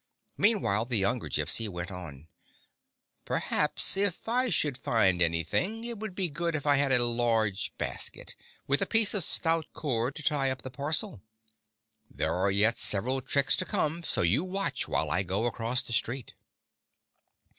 Mean while the younger Gypsy went on: " Perhaps, if I should find anything, it would be good if I had a large basket, with a piece of stout cord to tie up the parcel. There are yet 19 GYPSY, THE TALKING DOG several tricks to come, so you watch while I go across the street.